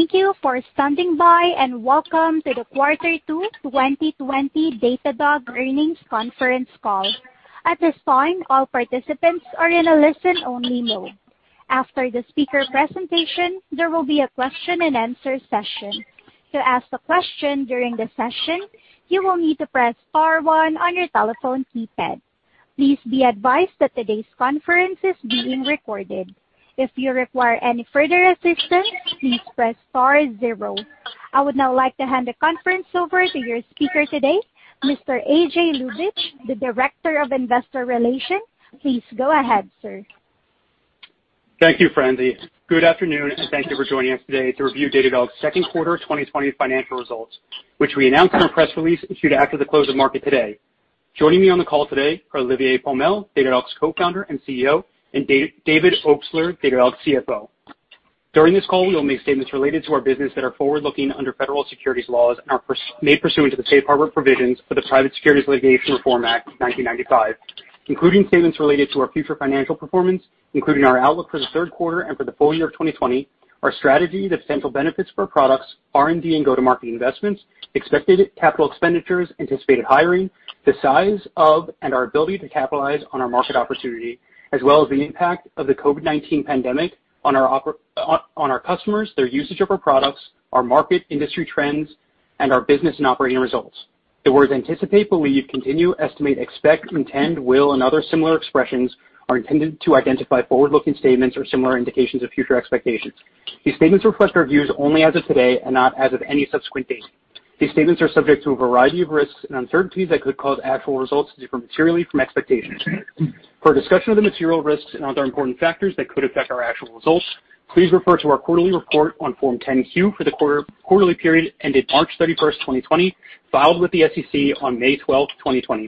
Thank you for standing by, and welcome to the quarter two 2020 Datadog earnings conference call. At this time, all participants are in a listen-only mode. After the speaker presentation, there will be a question and answer session. Please be advised that today's conference is being recorded. I would now like to hand the conference over to your speaker today, Mr. AJ Ljubich, the Director of Investor Relations. Please go ahead, sir. Thank you, Francie. Good afternoon, and thank you for joining us today to review Datadog's second quarter 2020 financial results, which we announced in our press release issued after the close of market today. Joining me on the call today are Olivier Pomel, Datadog's Co-Founder and CEO, and David Obstler, Datadog's CFO. During this call, we will make statements related to our business that are forward-looking under federal securities laws and are made pursuant to the Safe Harbor provisions for the Private Securities Litigation Reform Act of 1995, including statements related to our future financial performance, including our outlook for the third quarter and for the full year of 2020, our strategy, the potential benefits of our products, R&D, and go-to-market investments, expected capital expenditures, anticipated hiring, the size of and our ability to capitalize on our market opportunity, as well as the impact of the COVID-19 pandemic on our customers, their usage of our products, our market industry trends, and our business and operating results. The words anticipate, believe, continue, estimate, expect, intend, will, and other similar expressions are intended to identify forward-looking statements or similar indications of future expectations. These statements reflect our views only as of today and not as of any subsequent date. These statements are subject to a variety of risks and uncertainties that could cause actual results to differ materially from expectations. For a discussion of the material risks and other important factors that could affect our actual results, please refer to our quarterly report on Form 10-Q for the quarterly period ended March 31st, 2020, filed with the SEC on May 12th, 2020.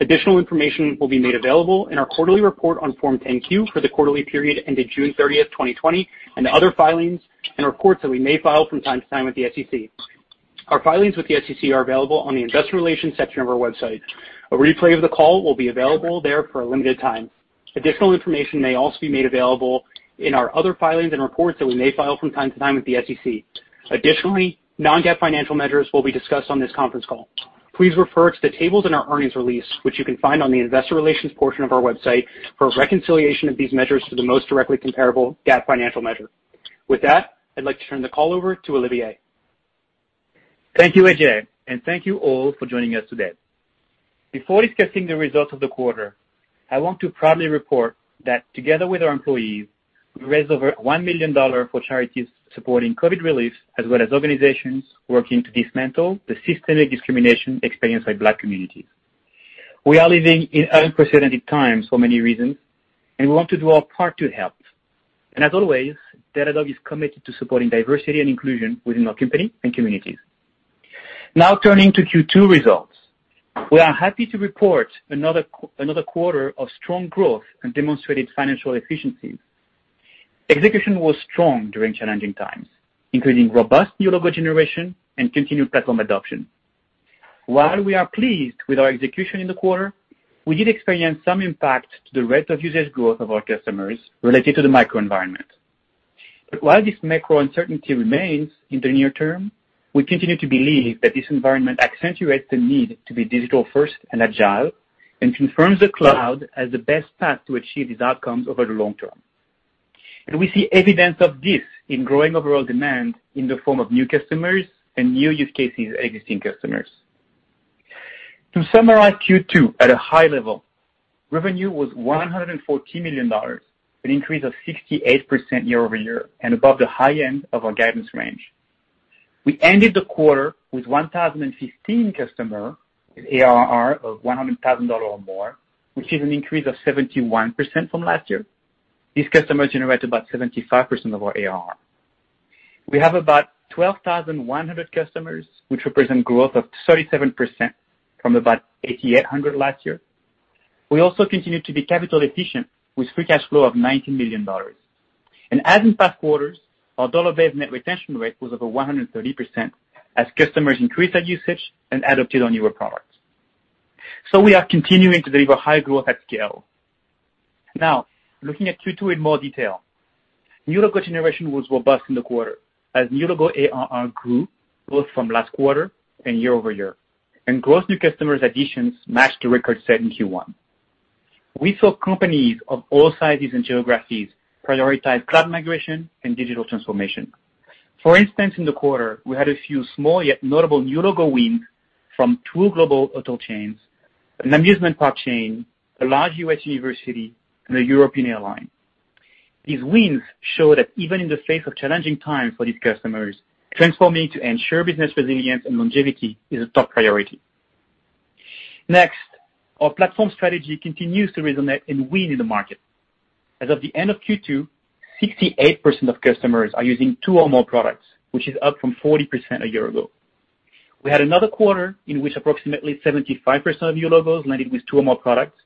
Additional information will be made available in our quarterly report on Form 10-Q for the quarterly period ended June 30th, 2020, and other filings and reports that we may file from time to time with the SEC. Our filings with the SEC are available on the Investor Relations section of our website. A replay of the call will be available there for a limited time. Additional information may also be made available in our other filings and reports that we may file from time to time with the SEC. Non-GAAP financial measures will be discussed on this conference call. Please refer to the tables in our earnings release, which you can find on the Investor Relations portion of our website, for a reconciliation of these measures to the most directly comparable GAAP financial measure. With that, I'd like to turn the call over to Olivier. Thank you, AJ, and thank you all for joining us today. Before discussing the results of the quarter, I want to proudly report that together with our employees, we raised over $1 million for charities supporting COVID relief as well as organizations working to dismantle the systemic discrimination experienced by Black communities. We are living in unprecedented times for many reasons. We want to do our part to help. As always, Datadog is committed to supporting diversity and inclusion within our company and communities. Now turning to Q2 results. We are happy to report another quarter of strong growth and demonstrated financial efficiency. Execution was strong during challenging times, including robust new logo generation and continued platform adoption. While we are pleased with our execution in the quarter, we did experience some impact to the rate of usage growth of our customers related to the macro environment. While this macro uncertainty remains in the near term, we continue to believe that this environment accentuates the need to be digital first and agile and confirms the cloud as the best path to achieve these outcomes over the long term. We see evidence of this in growing overall demand in the form of new customers and new use cases existing customers. To summarize Q2 at a high level, revenue was $140 million, an increase of 68% year-over-year and above the high end of our guidance range. We ended the quarter with 1,015 customer with ARR of $100,000 or more, which is an increase of 71% from last year. These customers generate about 75% of our ARR. We have about 12,100 customers, which represent growth of 37% from about 8,800 last year. We also continue to be capital efficient with free cash flow of $90 million. As in past quarters, our dollar-based net retention rate was over 130% as customers increased their usage and adopted our newer products. We are continuing to deliver high growth at scale. Now looking at Q2 in more detail. New logo generation was robust in the quarter as new logo ARR grew both from last quarter and year over year, and gross new customer additions matched the record set in Q1. We saw companies of all sizes and geographies prioritize cloud migration and digital transformation. For instance, in the quarter, we had a few small yet notable new logo wins from two global hotel chains, an amusement park chain, a large U.S. university, and a European airline. These wins show that even in the face of challenging times for these customers, transforming to ensure business resilience and longevity is a top priority. Our platform strategy continues to resonate and win in the market. As of the end of Q2, 68% of customers are using two or more products, which is up from 40% a year ago. We had another quarter in which approximately 75% of new logos landed with two or more products,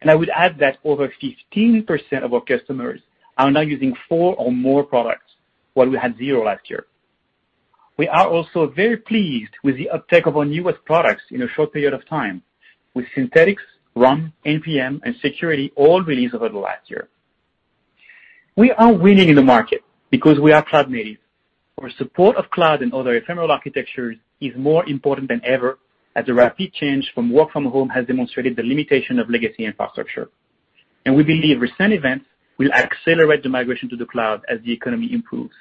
and I would add that over 15% of our customers are now using four or more products, while we had zero last year. We are also very pleased with the uptake of our newest products in a short period of time, with Synthetics, RUM, APM, and Security all released over the last year. We are winning in the market because we are cloud-native. Our support of cloud and other ephemeral architectures is more important than ever, as the rapid change from work from home has demonstrated the limitation of legacy infrastructure. We believe recent events will accelerate the migration to the cloud as the economy improves.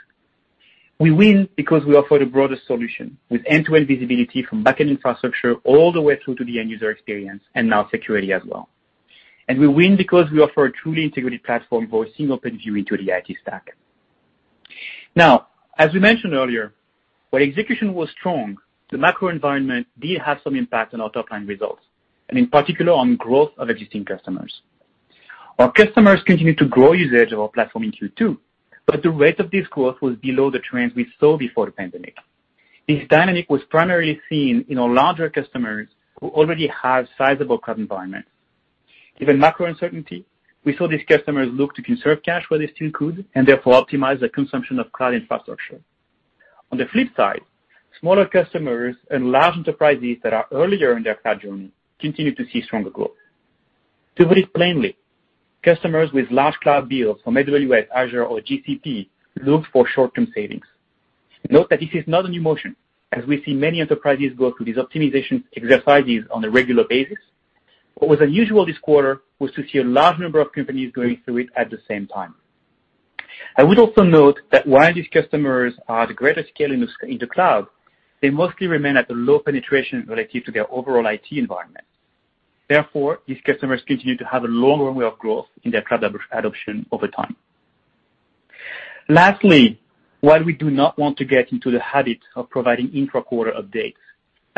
We win because we offer the broadest solution, with end-to-end visibility from backend infrastructure all the way through to the end user experience, and now security as well. We win because we offer a truly integrated platform for a single pane view into the IT stack. As we mentioned earlier, while execution was strong, the macro environment did have some impact on our top line results, and in particular on growth of existing customers. Our customers continued to grow usage of our platform in Q2, but the rate of this growth was below the trends we saw before the pandemic. This dynamic was primarily seen in our larger customers who already have sizable cloud environments. Given macro uncertainty, we saw these customers look to conserve cash where they still could, and therefore optimize the consumption of cloud infrastructure. On the flip side, smaller customers and large enterprises that are earlier in their cloud journey continued to see stronger growth. To put it plainly, customers with large cloud bills from AWS, Azure, or GCP looked for short-term savings. Note that this is not a new motion, as we see many enterprises go through these optimization exercises on a regular basis. What was unusual this quarter was to see a large number of companies going through it at the same time. I would also note that while these customers are the greatest scale in the cloud, they mostly remain at a low penetration relative to their overall IT environment. These customers continue to have a long runway of growth in their cloud adoption over time. Lastly, while we do not want to get into the habit of providing intra-quarter updates,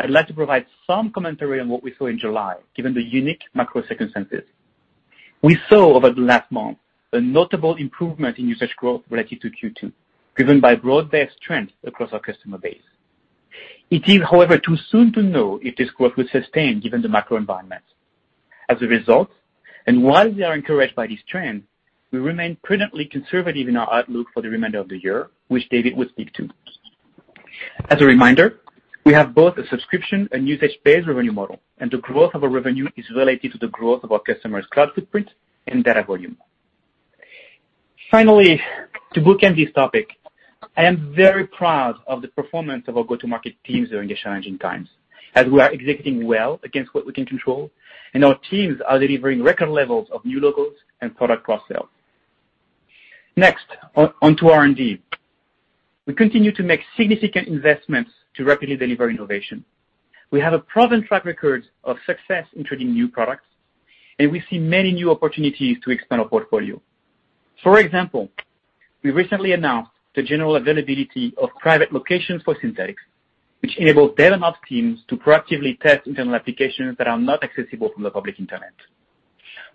I'd like to provide some commentary on what we saw in July, given the unique macro circumstances. We saw over the last month a notable improvement in usage growth relative to Q2, driven by broad-based trends across our customer base. It is, however, too soon to know if this growth will sustain given the macro environment. As a result, and while we are encouraged by this trend, we remain prudently conservative in our outlook for the remainder of the year, which David will speak to. As a reminder, we have both a subscription and usage-based revenue model, and the growth of our revenue is relative to the growth of our customers' cloud footprint and data volume. Finally, to bookend this topic, I am very proud of the performance of our go-to-market teams during these challenging times, as we are executing well against what we can control, and our teams are delivering record levels of new logos and product cross-sells. On to R&D. We continue to make significant investments to rapidly deliver innovation. We have a proven track record of success in creating new products, and we see many new opportunities to expand our portfolio. For example, we recently announced the general availability of private locations for Synthetics, which enable Dev and Op teams to proactively test internal applications that are not accessible from the public internet.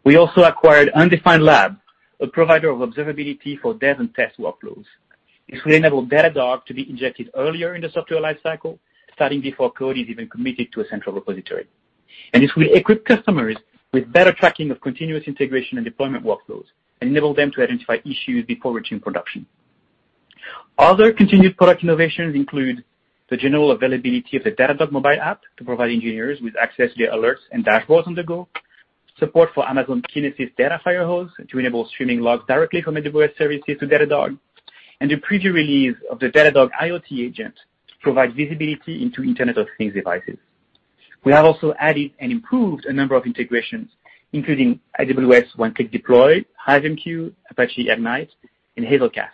We also acquired Undefined Labs, a provider of observability for dev and test workloads. This will enable Datadog to be injected earlier in the software life cycle, starting before code is even committed to a central repository. This will equip customers with better tracking of continuous integration and deployment workflows, enabling them to identify issues before reaching production. Other continued product innovations include the general availability of the Datadog mobile app to provide engineers with access to their alerts and dashboards on the go, support for Amazon Kinesis Data Firehose to enable streaming logs directly from AWS services to Datadog, and the preview release of the Datadog IoT Agent to provide visibility into Internet of Things devices. We have also added and improved a number of integrations, including AWS One-Click Deploy, HiveMQ, Apache Ignite, and Hazelcast.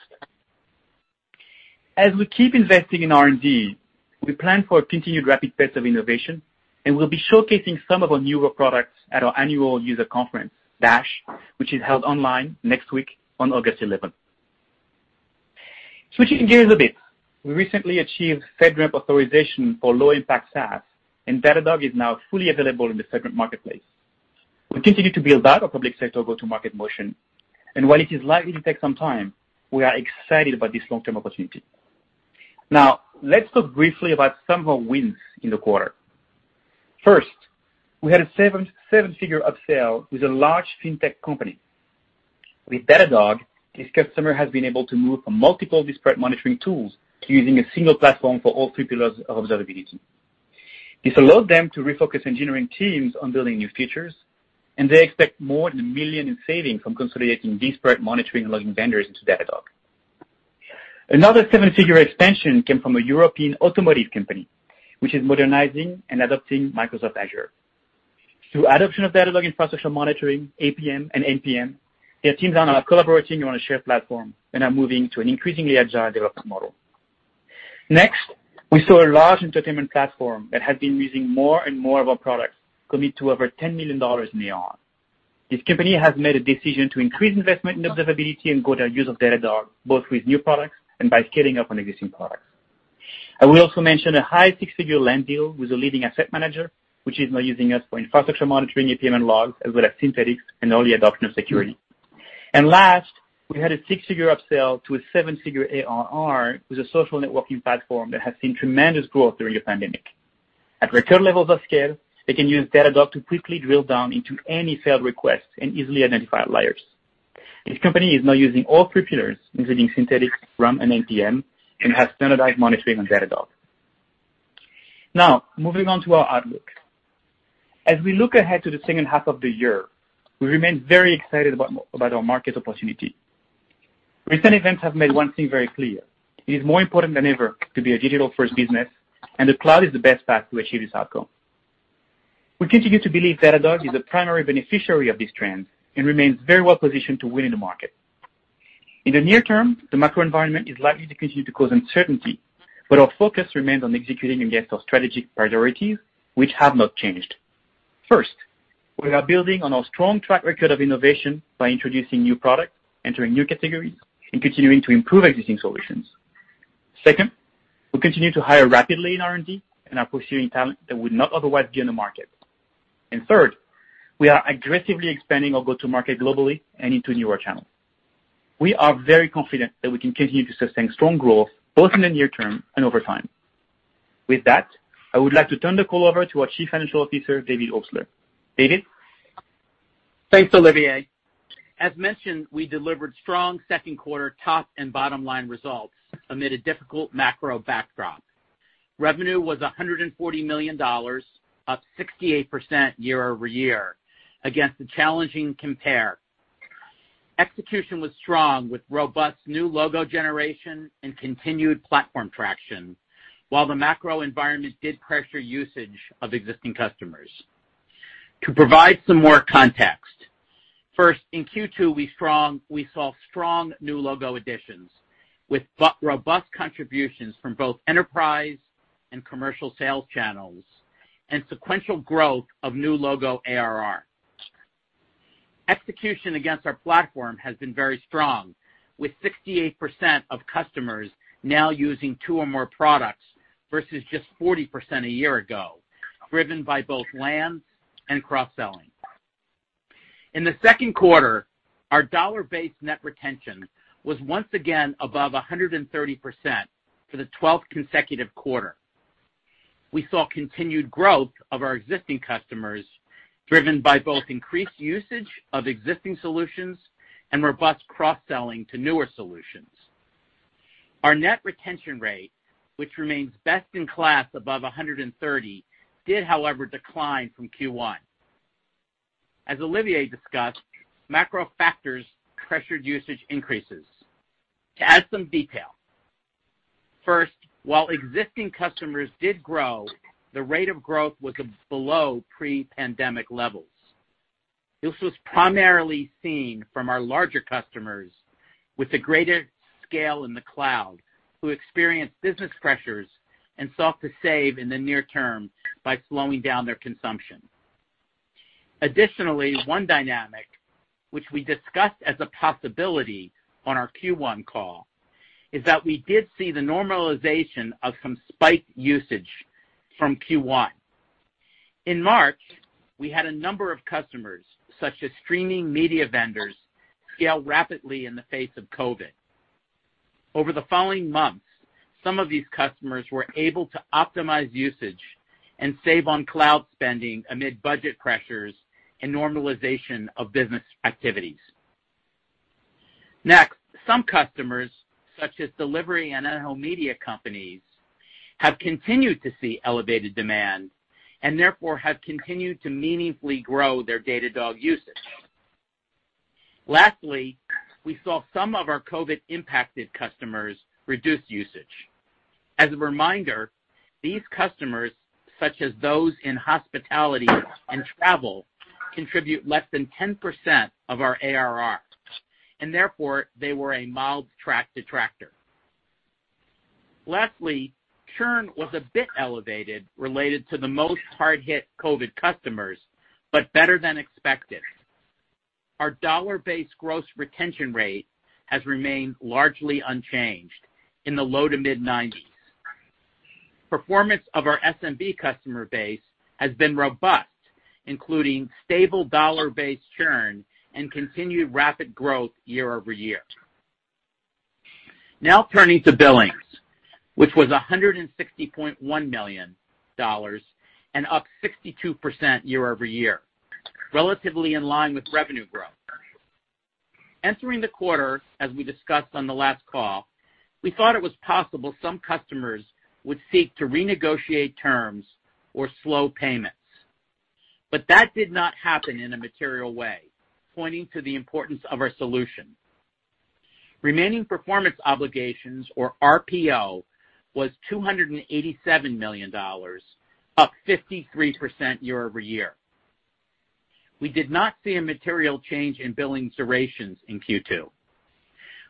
As we keep investing in R&D, we plan for a continued rapid pace of innovation, and we'll be showcasing some of our newer products at our annual user conference, Dash, which is held online next week on August 11th. Switching gears a bit, we recently achieved FedRAMP authorization for low-impact SaaS, and Datadog is now fully available in the FedRAMP Marketplace. We continue to build out our public sector go-to-market motion, and while it is likely to take some time, we are excited about this long-term opportunity. Let's talk briefly about some of our wins in the quarter. First, we had a seven-figure upsell with a large fintech company. With Datadog, this customer has been able to move from multiple disparate monitoring tools to using a single platform for all three pillars of observability. This allowed them to refocus engineering teams on building new features, and they expect more than $1 million in savings from consolidating disparate monitoring and logging vendors into Datadog. Another seven-figure expansion came from a European automotive company which is modernizing and adopting Microsoft Azure. Through adoption of Datadog Infrastructure Monitoring, APM, and NPM, their teams are now collaborating on a shared platform and are moving to an increasingly agile development model. We saw a large entertainment platform that had been using more and more of our products commit to over $10 million in ARR. This company has made a decision to increase investment in observability and grow their use of Datadog, both with new products and by scaling up on existing products. I will also mention a high six-figure land deal with a leading asset manager, which is now using us for Infrastructure Monitoring, APM, and logs, as well as Synthetics and early adoption of Security. Last, we had a six-figure upsell to a seven-figure ARR with a social networking platform that has seen tremendous growth during the pandemic. At record levels of scale, they can use Datadog to quickly drill down into any failed requests and easily identify outliers. This company is now using all three pillars, including Synthetic, RUM, and APM, and has standardized monitoring on Datadog. Moving on to our outlook. As we look ahead to the second half of the year, we remain very excited about our market opportunity. Recent events have made one thing very clear. It is more important than ever to be a digital first business, and the cloud is the best path to achieve this outcome. We continue to believe Datadog is the primary beneficiary of this trend and remains very well positioned to win in the market. In the near term, the macro environment is likely to continue to cause uncertainty, but our focus remains on executing against our strategic priorities which have not changed. First, we are building on our strong track record of innovation by introducing new products, entering new categories, and continuing to improve existing solutions. Second, we continue to hire rapidly in R&D and are pursuing talent that would not otherwise be in the market. Third, we are aggressively expanding our go-to-market globally and into newer channels. We are very confident that we can continue to sustain strong growth both in the near term and over time. With that, I would like to turn the call over to our Chief Financial Officer, David Obstler. David? Thanks, Olivier. As mentioned, we delivered strong second quarter top and bottom line results amid a difficult macro backdrop. Revenue was $140 million, up 68% year-over-year against a challenging compare. Execution was strong with robust new logo generation and continued platform traction, while the macro environment did pressure usage of existing customers. To provide some more context, first, in Q2 we saw strong new logo additions with robust contributions from both enterprise and commercial sales channels and sequential growth of new logo ARR. Execution against our platform has been very strong with 68% of customers now using two or more products versus just 40% a year ago, driven by both lands and cross-selling. In the second quarter, our dollar-based net retention was once again above 130% for the 12th consecutive quarter. We saw continued growth of our existing customers, driven by both increased usage of existing solutions and robust cross-selling to newer solutions. Our net retention rate, which remains best in class above 130, did however decline from Q1. As Olivier discussed, macro factors pressured usage increases. To add some detail, first, while existing customers did grow, the rate of growth was below pre-pandemic levels. This was primarily seen from our larger customers with a greater scale in the cloud, who experienced business pressures and sought to save in the near term by slowing down their consumption. Additionally, one dynamic which we discussed as a possibility on our Q1 call is that we did see the normalization of some spiked usage from Q1. In March, we had a number of customers, such as streaming media vendors, scale rapidly in the face of COVID-19. Over the following months, some of these customers were able to optimize usage and save on cloud spending amid budget pressures and normalization of business activities. Next, some customers, such as delivery and at-home media companies, have continued to see elevated demand and therefore have continued to meaningfully grow their Datadog usage. Lastly, we saw some of our COVID-impacted customers reduce usage. As a reminder, these customers, such as those in hospitality and travel, contribute less than 10% of our ARR, and therefore they were a mild net detractor. Lastly, churn was a bit elevated related to the most hard-hit COVID customers, but better than expected. Our dollar-based gross retention rate has remained largely unchanged in the low to mid-90s%. Performance of our SMB customer base has been robust, including stable dollar-based churn and continued rapid growth year-over-year. Turning to billings, which was $160.1 million and up 62% year-over-year, relatively in line with revenue growth. Entering the quarter, as we discussed on the last call, we thought it was possible some customers would seek to renegotiate terms or slow payments. That did not happen in a material way, pointing to the importance of our solution. Remaining performance obligations, or RPO, was $287 million, up 53% year-over-year. We did not see a material change in billing durations in Q2.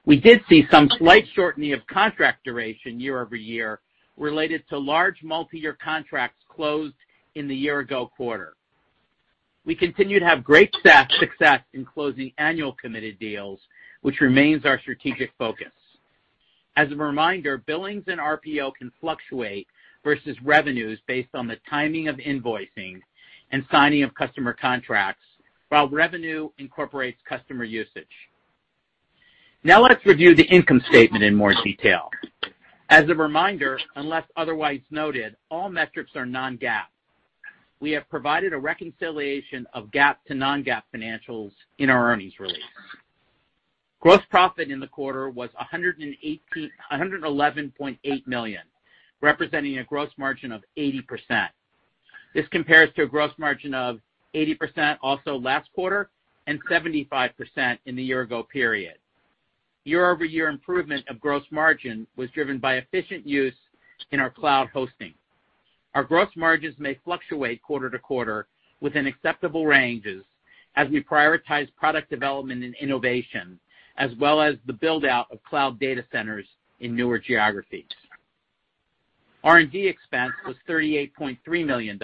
We did see some slight shortening of contract duration year-over-year related to large multi-year contracts closed in the year ago quarter. We continue to have great success in closing annual committed deals, which remains our strategic focus. As a reminder, billings and RPO can fluctuate versus revenues based on the timing of invoicing and signing of customer contracts, while revenue incorporates customer usage. Let's review the income statement in more detail. As a reminder, unless otherwise noted, all metrics are non-GAAP. We have provided a reconciliation of GAAP to non-GAAP financials in our earnings release. Gross profit in the quarter was $111.8 million, representing a gross margin of 80%. This compares to a gross margin of 80% also last quarter, and 75% in the year-ago period. Year-over-year improvement of gross margin was driven by efficient use in our cloud hosting. Our gross margins may fluctuate quarter-to-quarter within acceptable ranges as we prioritize product development and innovation, as well as the build-out of cloud data centers in newer geographies. R&D expense was $38.3 million,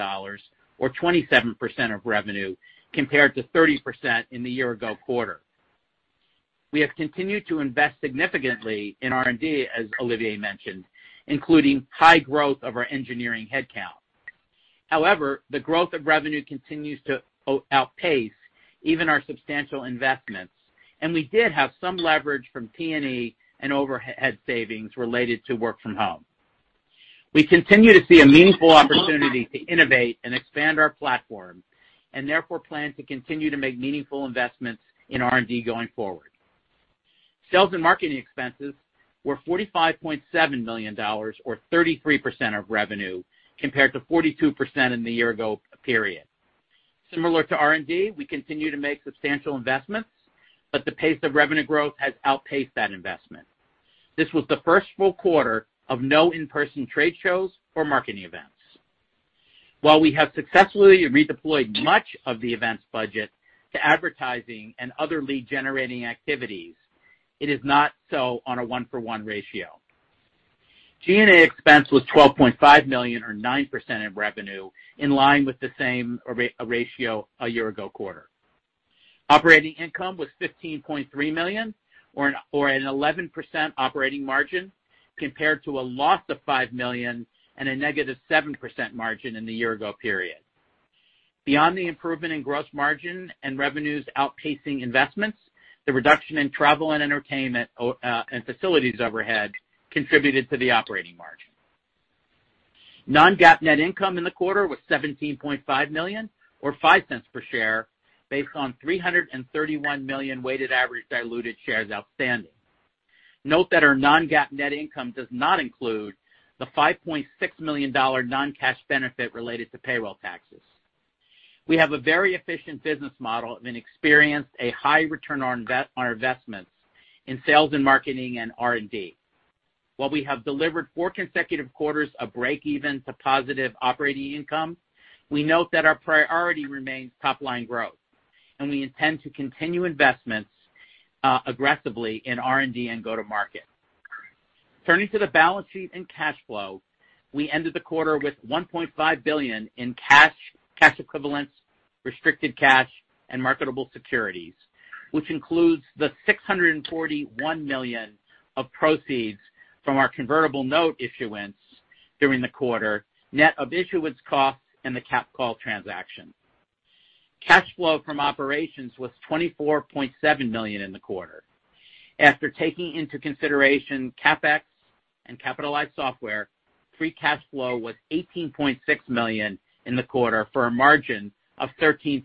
or 27% of revenue, compared to 30% in the year ago quarter. We have continued to invest significantly in R&D, as Olivier mentioned, including high growth of our engineering headcount. However, the growth of revenue continues to outpace even our substantial investments, and we did have some leverage from T&E and overhead savings related to work from home. We continue to see a meaningful opportunity to innovate and expand our platform, and therefore plan to continue to make meaningful investments in R&D going forward. Sales and marketing expenses were $45.7 million, or 33% of revenue, compared to 42% in the year ago period. Similar to R&D, we continue to make substantial investments, but the pace of revenue growth has outpaced that investment. This was the first full quarter of no in-person trade shows or marketing events. While we have successfully redeployed much of the events budget to advertising and other lead-generating activities, it is not so on a one-for-one ratio. G&A expense was $12.5 million, or 9% of revenue, in line with the same ratio a year ago quarter. Operating income was $15.3 million, or an 11% operating margin compared to a loss of $5 million and a negative 7% margin in the year ago period. Beyond the improvement in gross margin and revenues outpacing investments, the reduction in travel and entertainment and facilities overhead contributed to the operating margin. Non-GAAP net income in the quarter was $17.5 million, or $0.05 per share, based on 331 million weighted average diluted shares outstanding. Note that our non-GAAP net income does not include the $5.6 million non-cash benefit related to payroll taxes. We have a very efficient business model and experienced a high return on investments in sales and marketing and R&D. While we have delivered four consecutive quarters of break even to positive operating income, we note that our priority remains top line growth, and we intend to continue investments aggressively in R&D and go-to-market. Turning to the balance sheet and cash flow, we ended the quarter with $1.5 billion in cash equivalents, restricted cash, and marketable securities, which includes the $641 million of proceeds from our convertible note issuance during the quarter, net of issuance costs and the capped call transaction. Cash flow from operations was $24.7 million in the quarter. After taking into consideration CapEx and capitalized software, free cash flow was $18.6 million in the quarter for a margin of 13%.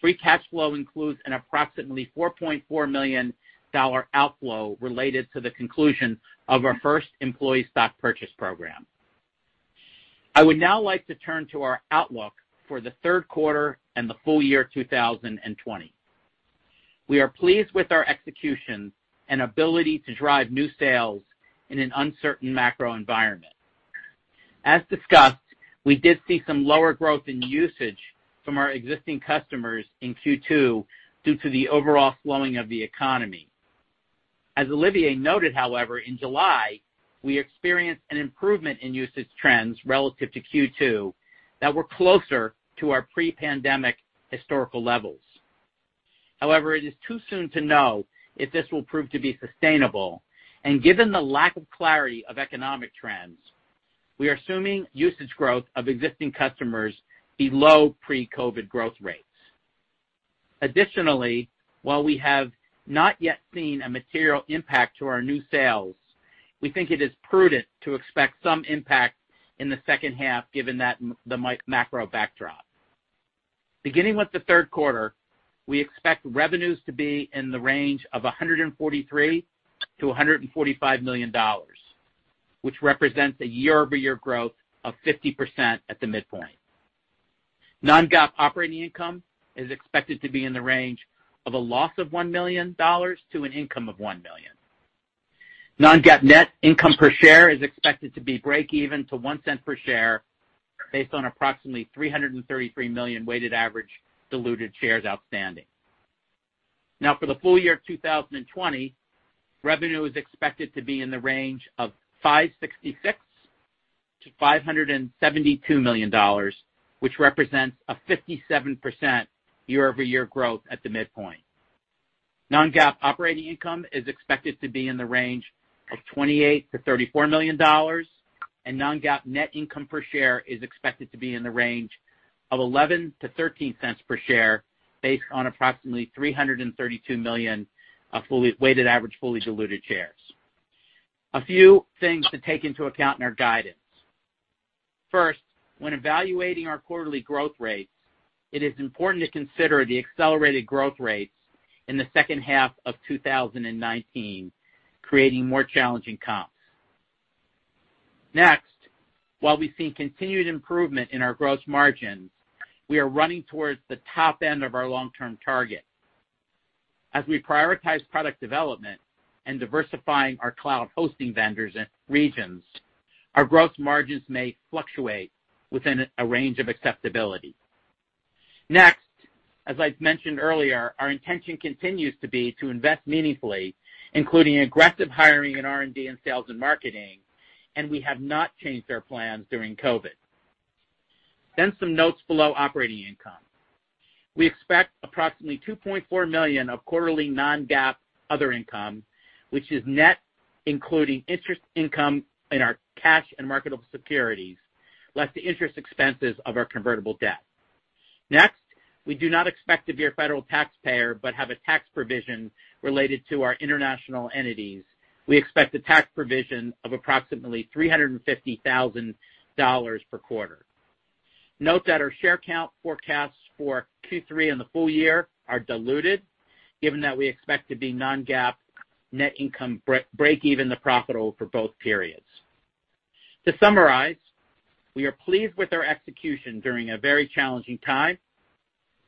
Free cash flow includes an approximately $4.4 million outflow related to the conclusion of our first employee stock purchase program. I would now like to turn to our outlook for the third quarter and the full year 2020. We are pleased with our execution and ability to drive new sales in an uncertain macro environment. As discussed, we did see some lower growth in usage from our existing customers in Q2 due to the overall slowing of the economy. As Olivier noted, in July, we experienced an improvement in usage trends relative to Q2 that were closer to our pre-pandemic historical levels. It is too soon to know if this will prove to be sustainable. Given the lack of clarity of economic trends, we are assuming usage growth of existing customers below pre-COVID-19 growth rates. Additionally, while we have not yet seen a material impact to our new sales, we think it is prudent to expect some impact in the second half given that the macro backdrop. Beginning with the third quarter, we expect revenues to be in the range of $143 million-$145 million, which represents a year-over-year growth of 50% at the midpoint. Non-GAAP operating income is expected to be in the range of a loss of $1 million to an income of $1 million. Non-GAAP net income per share is expected to be breakeven to $0.01 per share based on approximately 333 million weighted average diluted shares outstanding. For the full year of 2020, revenue is expected to be in the range of $566 million-$572 million, which represents a 57% year-over-year growth at the midpoint. Non-GAAP operating income is expected to be in the range of $28 million-$34 million, and non-GAAP net income per share is expected to be in the range of $0.11-$0.13 per share based on approximately 332 million weighted average fully diluted shares. A few things to take into account in our guidance. When evaluating our quarterly growth rates, it is important to consider the accelerated growth rates in the second half of 2019, creating more challenging comps. While we see continued improvement in our gross margins, we are running towards the top end of our long-term target. As we prioritize product development and diversifying our cloud hosting vendors and regions, our gross margins may fluctuate within a range of acceptability. As I've mentioned earlier, our intention continues to be to invest meaningfully, including aggressive hiring in R&D and sales and marketing, and we have not changed our plans during COVID. Some notes below operating income. We expect approximately $2.4 million of quarterly non-GAAP other income, which is net including interest income in our cash and marketable securities, less the interest expenses of our convertible debt. We do not expect to be a federal taxpayer but have a tax provision related to our international entities. We expect a tax provision of approximately $350,000 per quarter. Note that our share count forecasts for Q3 and the full year are diluted, given that we expect to be non-GAAP net income break even to profitable for both periods. To summarize, we are pleased with our execution during a very challenging time.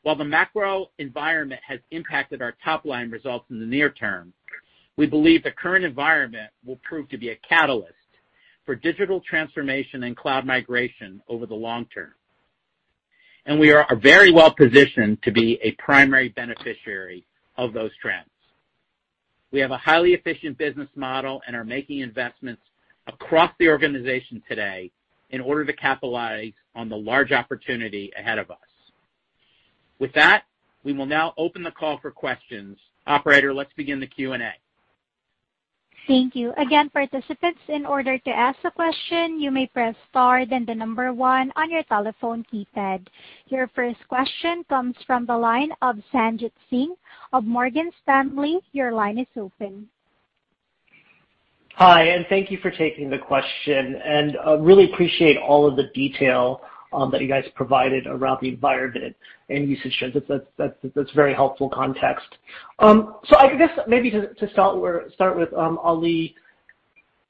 While the macro environment has impacted our top-line results in the near term, we believe the current environment will prove to be a catalyst for digital transformation and cloud migration over the long term. We are very well-positioned to be a primary beneficiary of those trends. We have a highly efficient business model and are making investments across the organization today in order to capitalize on the large opportunity ahead of us. With that, we will now open the call for questions. Operator, let's begin the Q&A. Thank you. Your first question comes from the line of Sanjit Singh of Morgan Stanley. Your line is open. Hi, and thank you for taking the question. Really appreciate all of the detail that you guys provided around the environment and usage trends. That's very helpful context. I guess maybe to start where start with, Oli,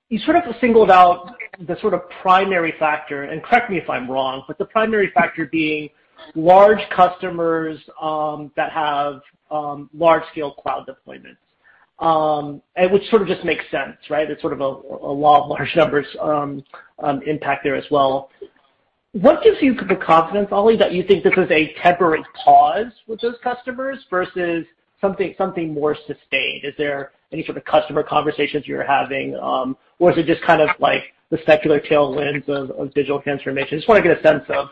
you sort of singled out the sort of primary factor, and correct me if I'm wrong, but the primary factor being large customers that have large scale cloud deployments. Which sort of just makes sense, right? It's sort of a law of large numbers impact there as well. What gives you the confidence, Oli, that you think this is a temporary pause with those customers versus something more sustained? Is there any sort of customer conversations you're having, or is it just kind of like the secular tailwinds of digital transformation? Just wanna get a sense of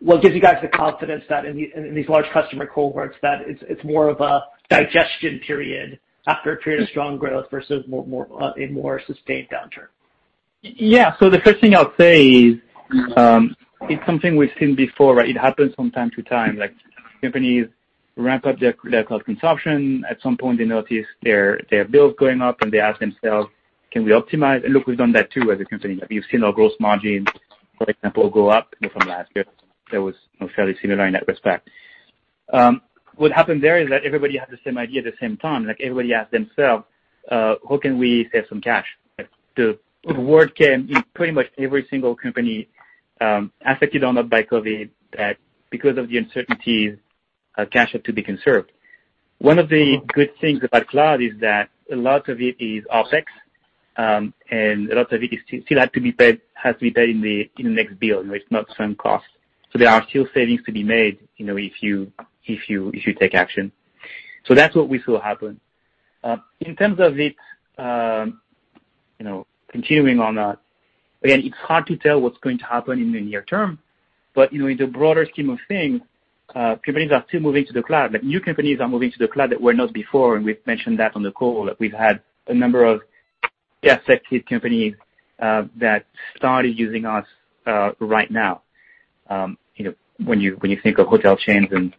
what gives you guys the confidence that in these large customer cohorts, that it's more of a digestion period after a period of strong growth versus more a more sustained downturn? Yeah. The first thing I'll say is, it's something we've seen before, right? It happens from time to time. Like, companies ramp up their cloud consumption. At some point, they notice their bills going up, and they ask themselves, "Can we optimize?" Look, we've done that too as a company. We've seen our gross margins, for example, go up, you know, from last year. That was, you know, fairly similar in that respect. What happened there is that everybody had the same idea at the same time. Like, everybody asked themselves, "How can we save some cash?" The word came in pretty much every single company, affected or not by COVID, that because of the uncertainties, cash had to be conserved. One of the good things about cloud is that a lot of it is OpEx, and a lot of it is still had to be paid, has to be paid in the next bill. You know, it's not some cost. There are still savings to be made, you know, if you take action. That's what we saw happen. In terms of it, you know, continuing or not, again, it's hard to tell what's going to happen in the near term. You know, in the broader scheme of things, companies are still moving to the cloud. Like, new companies are moving to the cloud that were not before, and we've mentioned that on the call, that we've had a number of, yeah, sector companies that started using us right now. You know, when you, when you think of hotel chains and,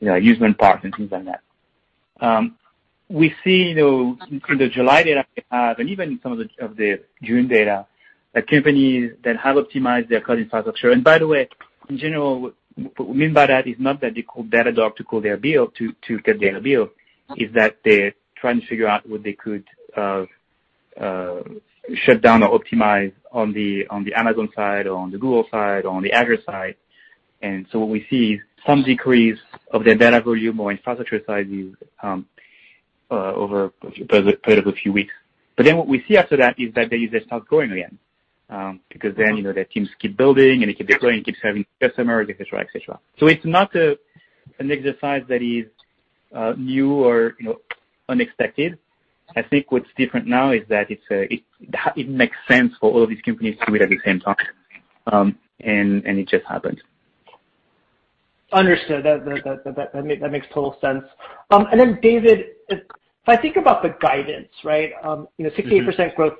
you know, amusement parks and things like that. We see, you know, in the July data we have, and even some of the June data, that companies that have optimized their cloud infrastructure By the way, in general, what we mean by that is not that they call Datadog to cut their bill. It's that they're trying to figure out what they could shut down or optimize on the Amazon side or on the Google side or on the Azure side. What we see is some decrease of their data volume or infrastructure size use over a period of a few weeks. What we see after that is that the usage starts growing again, because then, you know, their teams keep building, and it keeps growing, it keeps having customers, et cetera, et cetera. It's not an exercise that is new or, you know, unexpected. I think what's different now is that it's, it makes sense for all of these companies to do it at the same time. It just happened. Understood. That makes total sense. David, if I think about the guidance, right, 68% growth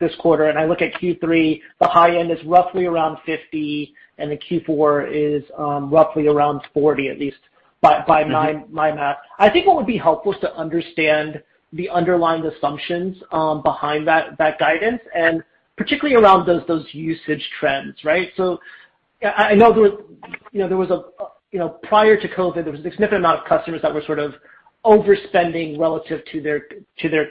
this quarter, and I look at Q3, the high end is roughly around 50, and the Q4 is roughly around 40, at least by my math. I think what would be helpful is to understand the underlying assumptions behind that guidance, and particularly around those usage trends, right? I know prior to COVID-19, there was a significant amount of customers that were sort of overspending relative to their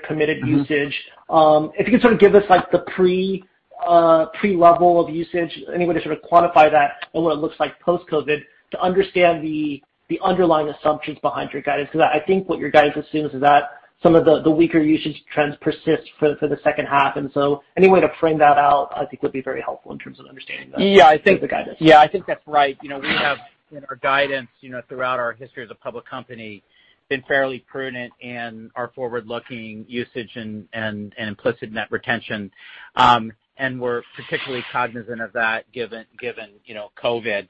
committed usage. If you could sort of give us like the pre-level of usage, any way to sort of quantify that and what it looks like post-COVID to understand the underlying assumptions behind your guidance. 'Cause I think what your guidance assumes is that some of the weaker usage trends persist for the second half. Any way to frame that out I think would be very helpful in terms of understanding the guidance. Yeah, I think that's right. We have, in our guidance, throughout our history as a public company, been fairly prudent in our forward-looking usage and implicit net retention. We're particularly cognizant of that given COVID.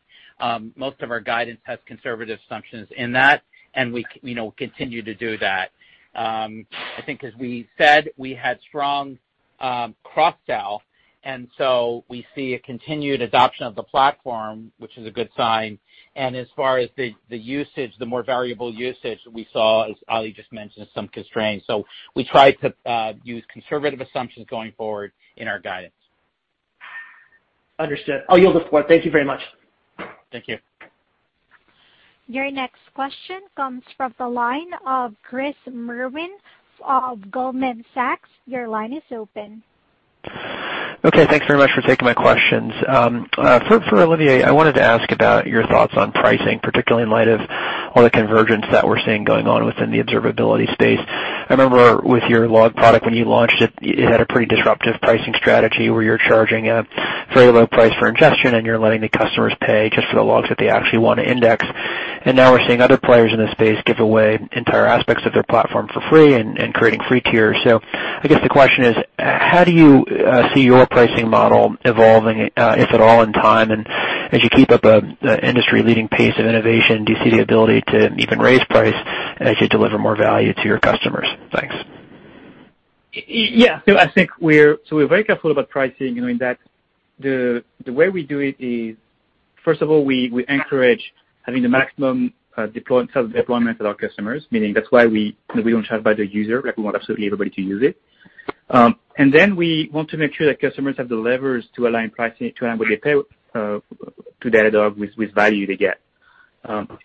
Most of our guidance has conservative assumptions in that, and we continue to do that. I think as we said, we had strong cross-sell, we see a continued adoption of the platform, which is a good sign. As far as the usage, the more variable usage we saw, as Olivier just mentioned, some constraints. We try to use conservative assumptions going forward in our guidance. Understood. I'll yield the floor. Thank you very much. Thank you. Your next question comes from the line of Chris Merwin of Goldman Sachs. Your line is open. Okay. Thanks very much for taking my questions. For Olivier, I wanted to ask about your thoughts on pricing, particularly in light of all the convergence that we're seeing going on within the observability space. I remember with your log product, when you launched it had a pretty disruptive pricing strategy where you're charging a very low price for ingestion and you're letting the customers pay just for the logs that they actually wanna index. Now we're seeing other players in this space give away entire aspects of their platform for free and creating free tiers. I guess the question is: How do you see your pricing model evolving, if at all, in time? As you keep up a industry-leading pace of innovation, do you see the ability to even raise price as you deliver more value to your customers? Thanks. Yeah. I think we're very careful about pricing, you know, in that the way we do it is, first of all, we encourage having the maximum self-deployment with our customers, meaning that's why we don't charge by the user, like we want absolutely everybody to use it. Then we want to make sure that customers have the levers to align pricing to what they pay to Datadog with value they get.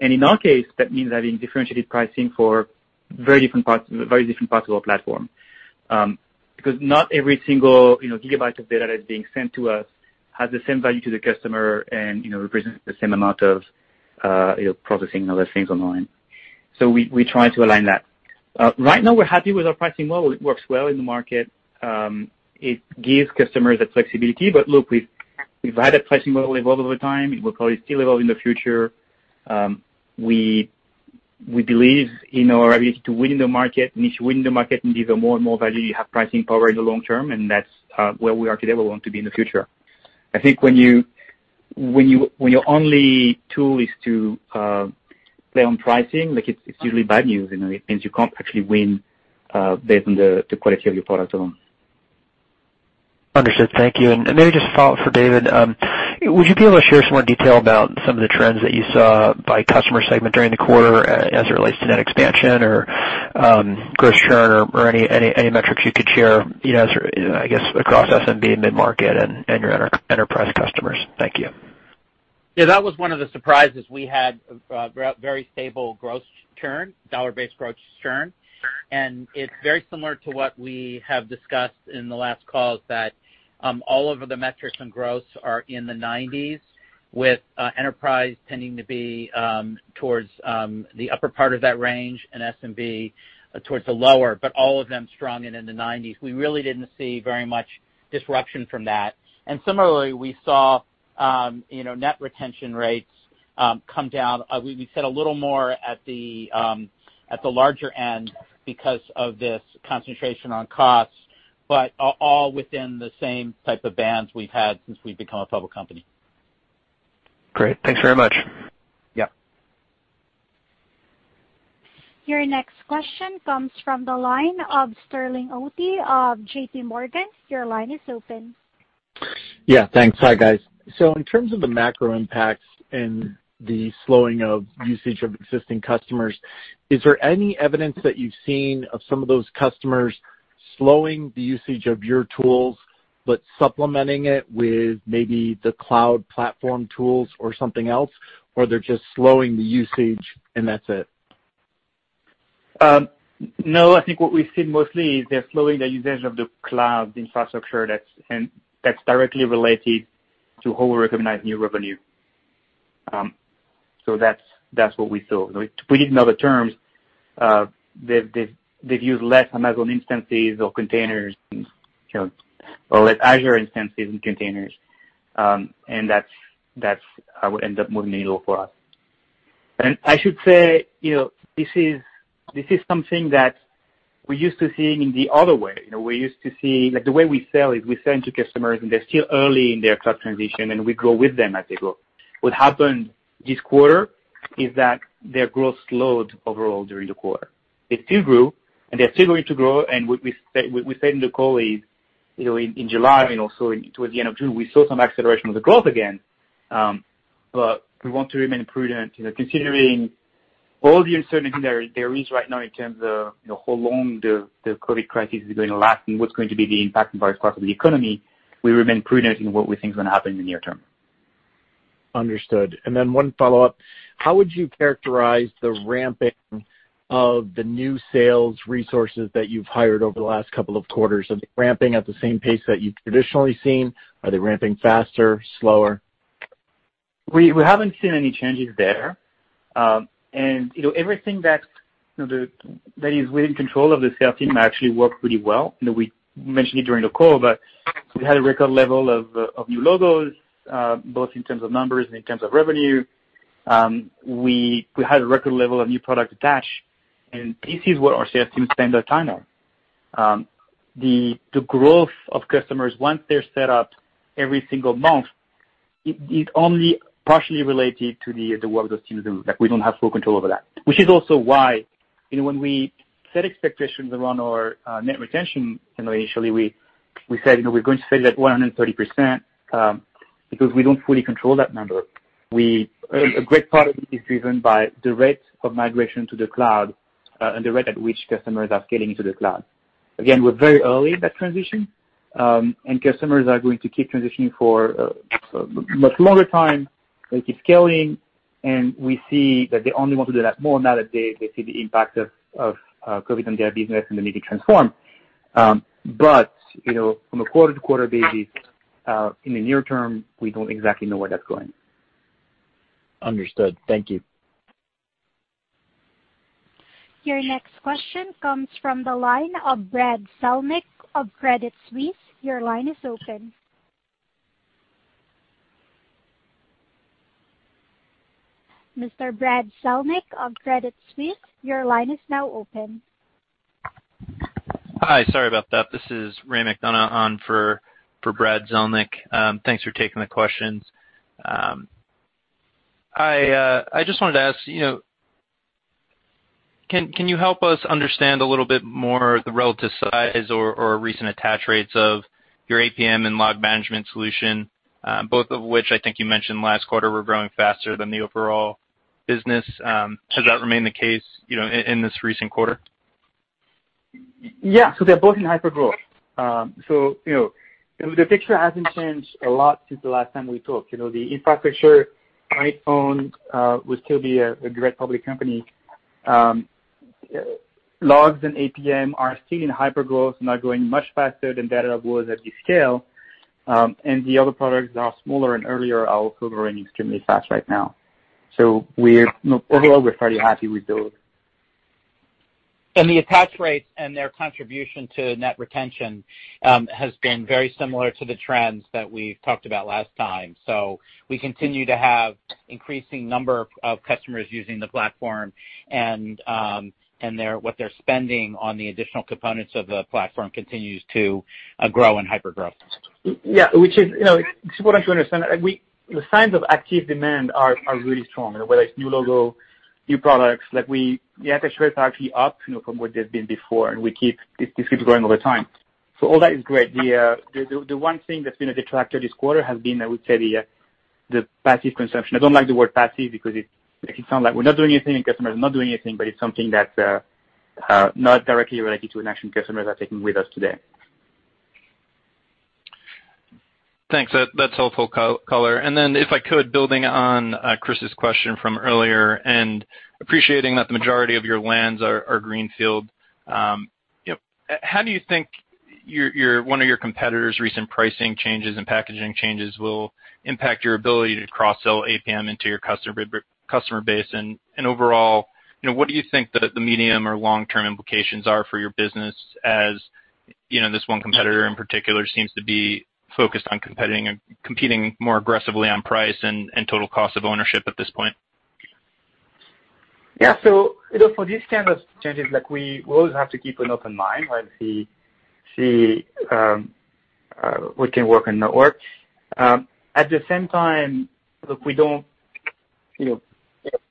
In our case, that means having differentiated pricing for very different parts of our platform. Because not every single, you know, gigabyte of data that's being sent to us has the same value to the customer and, you know, represents the same amount of processing and other things online. We try to align that. Right now we're happy with our pricing model. It works well in the market. It gives customers the flexibility. Look, we've had a pricing model evolve over time. It will probably still evolve in the future. We believe in our ability to win in the market, and if you win in the market and give more and more value, you have pricing power in the long term, and that's where we are today, where we want to be in the future. I think when your only tool is to play on pricing, like it's usually bad news. You know. It means you can't actually win, based on the quality of your product alone. Understood. Thank you. Maybe just a follow-up for David. Would you be able to share some more detail about some of the trends that you saw by customer segment during the quarter as it relates to net expansion or gross churn or any metrics you could share, you know, sort of, I guess, across SMB mid-market and your enterprise customers? Thank you. Yeah, that was one of the surprises. We had very stable gross churn, dollar-based gross churn. It's very similar to what we have discussed in the last calls that all of the metrics and growths are in the 90s with enterprise tending to be towards the upper part of that range and SMB towards the lower, but all of them strong and in the 90s. We really didn't see very much disruption from that. Similarly, we saw, you know, net retention rates come down. We saw a little more at the larger end because of this concentration on costs, but all within the same type of bands we've had since we've become a public company. Great. Thanks very much. Yeah. Your next question comes from the line of Sterling Auty of J.P. Morgan. Your line is open. Yeah, thanks. Hi, guys. In terms of the macro impacts and the slowing of usage of existing customers, is there any evidence that you've seen of some of those customers slowing the usage of your tools but supplementing it with maybe the cloud platform tools or something else, or they're just slowing the usage and that's it? No. I think what we've seen mostly is they're slowing the usage of the cloud infrastructure, and that's directly related to how we recognize new revenue. That's what we saw. We didn't know the terms. They've used less Amazon instances or containers and, you know, or less Azure instances and containers. That's what ended up moving the needle for us. I should say, you know, this is something that we're used to seeing in the other way. You know, we're used to see, like, the way we sell is we sell to customers, and they're still early in their cloud transition, and we grow with them as they grow. What happened this quarter is that their growth slowed overall during the quarter. They still grew, and they're still going to grow. We, we said in the call is, you know, in July and also towards the end of June, we saw some acceleration of the growth again. We want to remain prudent, you know, considering all the uncertainty there is right now in terms of, you know, how long the COVID crisis is going to last and what's going to be the impact on various parts of the economy. We remain prudent in what we think is gonna happen in the near term. Understood. One follow-up. How would you characterize the ramping of the new sales resources that you've hired over the last couple of quarters? Are they ramping at the same pace that you've traditionally seen? Are they ramping faster, slower? We haven't seen any changes there. You know, everything that, you know, that is within control of the sales team actually worked pretty well. You know, we mentioned it during the call, we had a record level of new logos, both in terms of numbers and in terms of revenue. We had a record level of new product attach, this is what our sales team spend their time on. The growth of customers once they're set up every single month, it's only partially related to the work those teams do. Like, we don't have full control over that. Which is also why, you know, when we set expectations around our net retention, initially, we said we're going to set it at 130% because we don't fully control that number. A great part of it is driven by the rate of migration to the cloud and the rate at which customers are scaling into the cloud. Again, we're very early in that transition. Customers are going to keep transitioning for a much longer time. They keep scaling, and we see that they only want to do that more now that they see the impact of COVID on their business and the need to transform. From a quarter to quarter basis, in the near term, we don't exactly know where that's going. Understood. Thank you. Your next question comes from the line of Brad Zelnick of Credit Suisse. Your line is open. Mr. Brad Zelnick of Credit Suisse, your line is now open. Hi, sorry about that. This is Ray McDonough on for Brad Zelnick. Thanks for taking the questions. I just wanted to ask, you know, can you help us understand a little bit more the relative size or recent attach rates of your APM and log management solution, both of which I think you mentioned last quarter were growing faster than the overall business. Has that remained the case, you know, in this recent quarter? Yeah. They're both in hypergrowth. You know, the picture hasn't changed a lot since the last time we talked. You know, the Infrastructure Monitoring would still be a direct public company. Logs and APM are still in hypergrowth, not growing much faster than Datadog was at this scale. The other products are smaller and earlier, are also growing extremely fast right now. We're, you know, overall, we're fairly happy with those. The attach rates and their contribution to net retention has been very similar to the trends that we've talked about last time. We continue to have increasing number of customers using the platform and what they're spending on the additional components of the platform continues to grow and hypergrow. Yeah. Which is, you know, it's important to understand, like the signs of active demand are really strong. You know, whether it's new logo, new products, like the attach rates are actually up, you know, from what they've been before, and this keeps growing over time. All that is great. The one thing that's been a detractor this quarter has been, I would say, the passive consumption. I don't like the word passive because it can sound like we're not doing anything and customers are not doing anything, but it's something that not directly related to an action customers are taking with us today. Thanks. That's helpful color. And then if I could, building on Chris's question from earlier and appreciating that the majority of your lands are greenfield, you know, how do you think your one of your competitors' recent pricing changes and packaging changes will impact your ability to cross-sell APM into your customer base? Overall, you know, what do you think the medium or long-term implications are for your business as, you know, this one competitor in particular seems to be focused on competing and competing more aggressively on price and total cost of ownership at this point? Yeah. You know, for these kinds of changes, like we will always have to keep an open mind and see what can work and not work. At the same time, look, we don't, you know,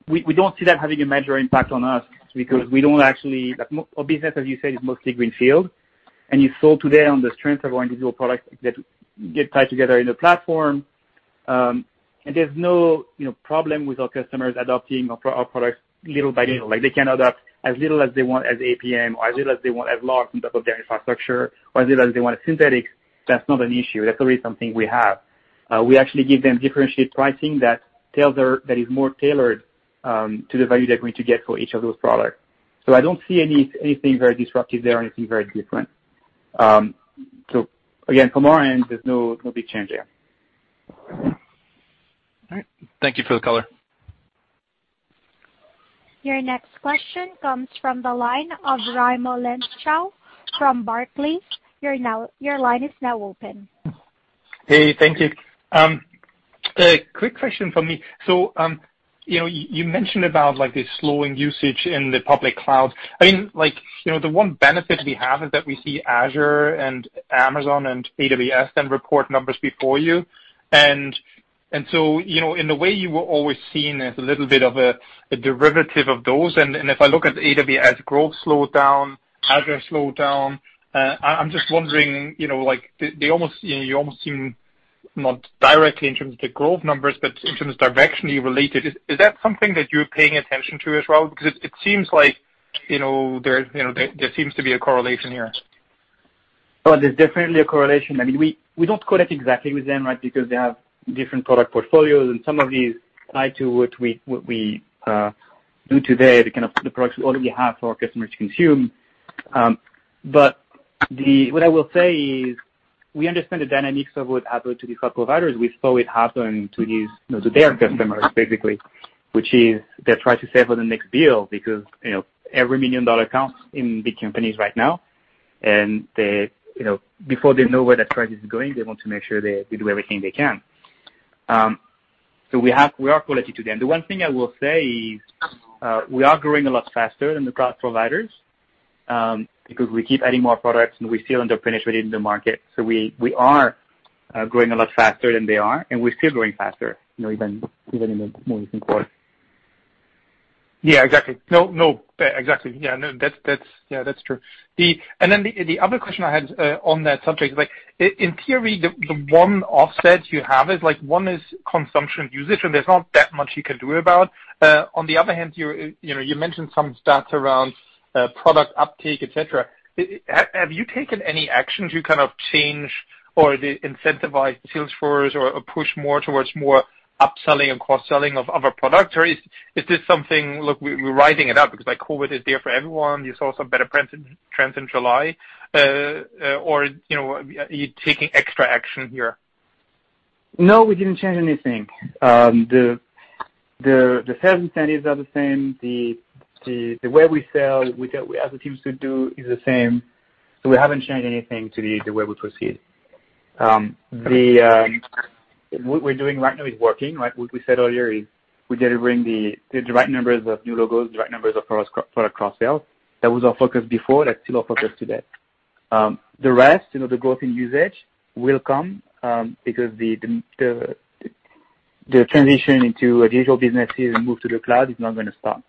we don't see that having a major impact on us because we don't actually our business, as you said, is mostly greenfield, and you saw today on the strength of our individual products that get tied together in the platform. And there's no, you know, problem with our customers adopting our products little by little. Like, they can adopt as little as they want as APM or as little as they want as logs on top of their infrastructure or as little as they want as synthetics. That's not an issue. That's already something we have. We actually give them differentiated pricing that is more tailored to the value they're going to get for each of those products. I don't see anything very disruptive there or anything very different. Again, from our end, there's no big change there. All right. Thank you for the color. Your next question comes from the line of Raimo Lenschow from Barclays. Your line is now open. Hey, thank you. A quick question from me. You know, you mentioned about like the slowing usage in the public cloud. I mean, you know, the one benefit we have is that we see Azure and Amazon and AWS then report numbers before you. You know, in a way you were always seen as a little bit of a derivative of those. If I look at AWS growth slowed down, Azure slowed down, I am just wondering, you know, like, they almost, you know, you almost seem not directly in terms of the growth numbers, but in terms of directionally related. Is that something that you are paying attention to as well? It seems like, you know, there, you know, there seems to be a correlation here. There's definitely a correlation. I mean, we don't correlate exactly with them, right? They have different product portfolios, and some of these tie to what we do today, the kind of the products already we have for our customers to consume. What I will say is we understand the dynamics of what happened to these cloud providers. We saw it happen to these, you know, to their customers basically, which is they try to save for the next bill because, you know, every $1 million counts in big companies right now. They, you know, before they know where that price is going, they want to make sure they do everything they can. We are quality to them. The one thing I will say is, we are growing a lot faster than the cloud providers, because we keep adding more products, and we're still underpenetrating the market. We are growing a lot faster than they are, and we're still growing faster, you know, even in the more recent quarter. Yeah, exactly. No, exactly. Yeah, no, that's true. The other question I had on that subject, like, in theory, the one offset you have is like, one is consumption usage, and there's not that much you can do about. On the other hand, you know, you mentioned some stats around product uptake, et cetera. Have you taken any action to kind of change or incentivize sales force or push more towards upselling and cross-selling of other products? Is this something, look, we're riding it out because like COVID is there for everyone, you saw some better trends in July, or, you know, are you taking extra action here? No, we didn't change anything. The sales incentives are the same. The way we sell, we ask the teams to do is the same. We haven't changed anything to the way we proceed. What we're doing right now is working, right? What we said earlier is we're delivering the right numbers of new logos, the right numbers of product cross-sales. That was our focus before, that's still our focus today. The rest, you know, the growth in usage will come because the transition into a digital business and move to the cloud is not gonna stop.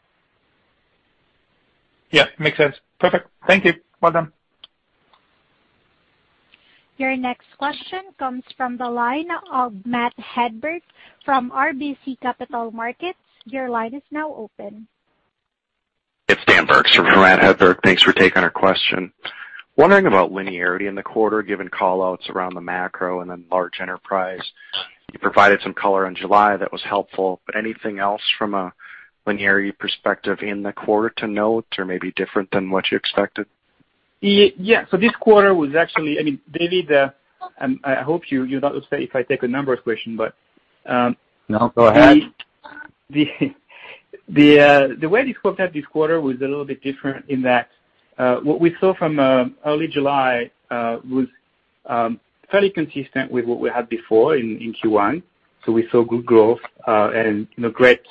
Yeah, makes sense. Perfect. Thank you. Well done. Your next question comes from the line of Matt Hedberg from RBC Capital Markets. Your line is now open. It's Dan Berg from Matt Hedberg. Thanks for taking our question. Wondering about linearity in the quarter, given call-outs around the macro and then large enterprise. You provided some color on July that was helpful, but anything else from a linearity perspective in the quarter to note or maybe different than what you expected? Yeah. This quarter was actually I mean, David, I hope you don't mind if I take a numbers question. No, go ahead. The way we looked at this quarter was a little bit different in that what we saw from early July was fairly consistent with what we had before in Q1. We saw good growth and, you know, great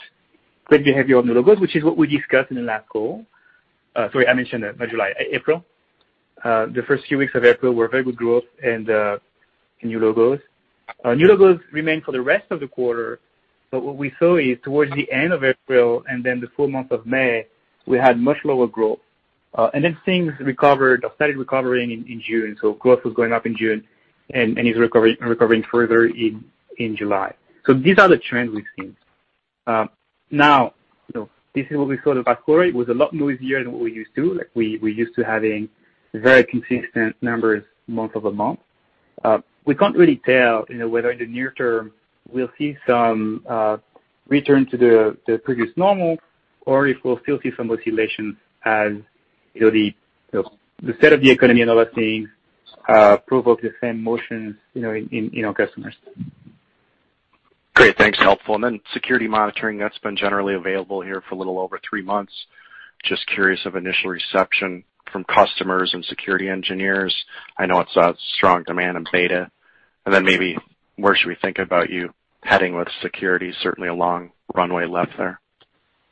behavior on new logos, which is what we discussed in the last call. Sorry, I mentioned July. April. The first few weeks of April were very good growth and new logos. New logos remained for the rest of the quarter, but what we saw is towards the end of April and then the full month of May, we had much lower growth. Things recovered or started recovering in June. Growth was going up in June and is recovering further in July. These are the trends we've seen. Now, you know, this is what we saw the past quarter. It was a lot noisier than what we're used to. Like, we used to having very consistent numbers month-over-month. We can't really tell, you know, whether in the near term we'll see some return to the previous normal or if we'll still see some oscillation as, you know, the state of the economy and other things provoke the same motion, you know, in our customers. Great. Thanks. Helpful. Security monitoring, that's been generally available here for a little over three months. Just curious of initial reception from customers and security engineers. I know it's a strong demand in beta. Maybe where should we think about you heading with Security? Certainly a long runway left there.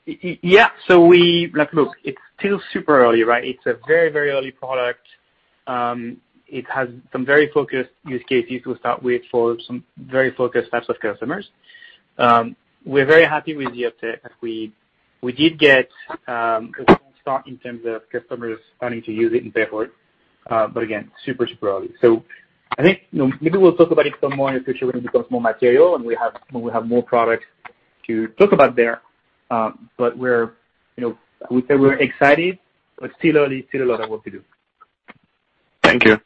Yeah. Like, look, it's still super early, right? It's a very early product. It has some very focused use cases to start with for some very focused types of customers. We're very happy with the uptake that we did get a good start in terms of customers starting to use it and pay for it. Again, super early. I think, you know, maybe we'll talk about it some more in the future when it becomes more material and when we have more product to talk about there. We're, you know, we say we're excited, but still early, still a lot of work to do. Thank you.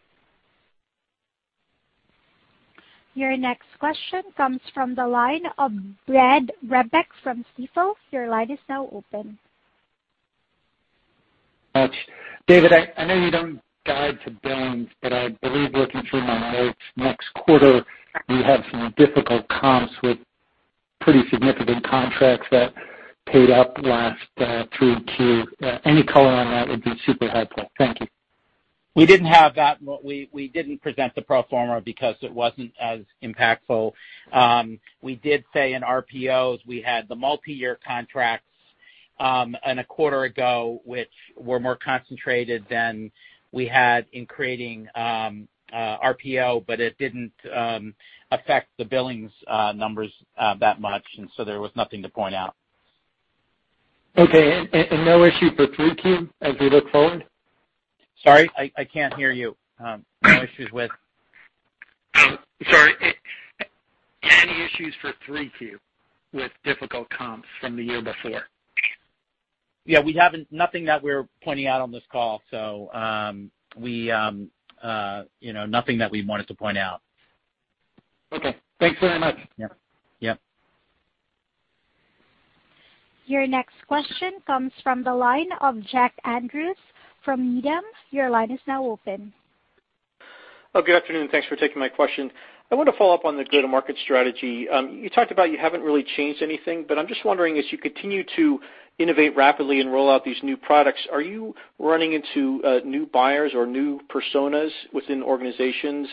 Your next question comes from the line of Brad Reback from Stifel. Your line is now open. Thanks. David, I know you don't guide to gains, but I believe looking through my notes, next quarter you have some difficult comps with pretty significant contracts that paid up last 2Q. Any color on that would be super helpful. Thank you. We didn't have that. We didn't present the pro forma because it wasn't as impactful. We did say in RPOs, we had the multi-year contracts, and a quarter ago, which were more concentrated than we had in creating, RPO, but it didn't affect the billings, numbers, that much. There was nothing to point out. Okay. No issue for 3Q as we look forward? Sorry, I can't hear you. No issues with? Sorry. Any issues for 3Q with difficult comps from the year before? Nothing that we're pointing out on this call, so, we, you know, nothing that we wanted to point out. Okay. Thanks very much. Yeah. Yeah. Your next question comes from the line of Jack Andrews from Needham. Your line is now open. Good afternoon. Thanks for taking my question. I want to follow up on the go-to-market strategy. You talked about you haven't really changed anything, but I'm just wondering, as you continue to innovate rapidly and roll out these new products, are you running into new buyers or new personas within organizations?